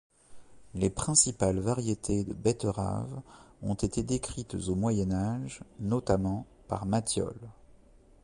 Les principales variétés de betterave ont été décrites au Moyen Âge, notamment par Matthiole.